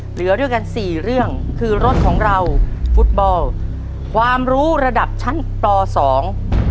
เหลือด้วยกันสี่เรื่องคือรถของเราฟุตบอลความรู้ระดับชั้นปสอง